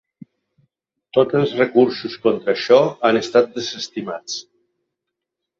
Tots els recursos contra això han estat desestimats.